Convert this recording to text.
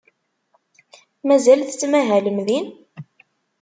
Mazal tettmahalem din?